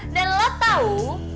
dan lo tau